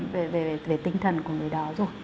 về tinh thần của người đó rồi